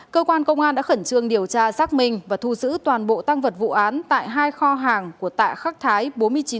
cơ quan công an đã khẩn trương điều tra giác minh và thu giữ toàn bộ tăng vật vụ án tại hai kho hàng của tạ khắc thái